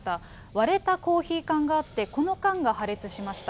割れたコーヒー缶があって、この缶が破裂しました。